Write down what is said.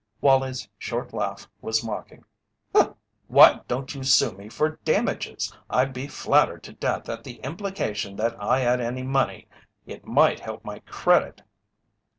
Wallie's short laugh was mocking. "Why don't you sue me for damages? I'd be flattered to death at the implication that I had any money. It might help my credit."